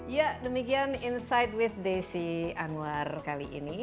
ya demikian insight with desi anwar kali ini